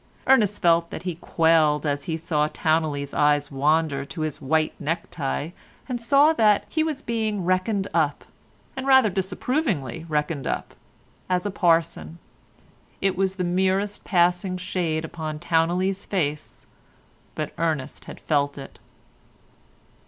Ernest felt that he quailed as he saw Towneley's eye wander to his white necktie and saw that he was being reckoned up, and rather disapprovingly reckoned up, as a parson. It was the merest passing shade upon Towneley's face, but Ernest had felt it.